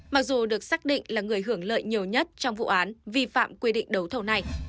mặc dù được xác định là người hưởng lợi nhiều nhất trong vụ án vi phạm quy định đấu thầu này